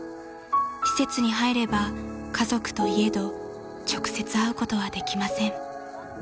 ［施設に入れば家族といえど直接会うことはできません］